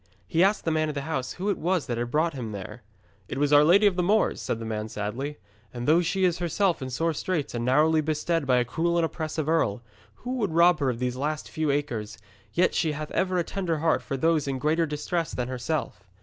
He asked the man of the house who it was that had brought him there. 'It was our Lady of the Moors,' said the man sadly. 'And though she is herself in sore straits and narrowly bestead by a cruel and oppressive earl, who would rob her of these last few acres, yet she hath ever a tender heart for those in greater distress than herself.'